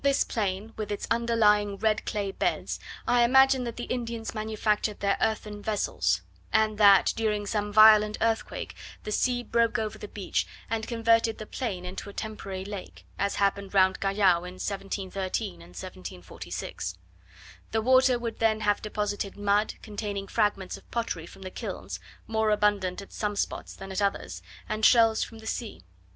On this plain, with its underlying red clay beds, I imagine that the Indians manufactured their earthen vessels; and that, during some violent earthquake, the sea broke over the beach, and converted the plain into a temporary lake, as happened round Callao in 1713 and 1746. The water would then have deposited mud, containing fragments of pottery from the kilns, more abundant at some spots than at others, and shells from the sea.